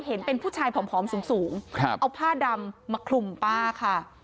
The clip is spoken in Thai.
เห็นเป็นผู้ชายผอมสูงเอาผ้าดำมาคลุมป้าค่ะ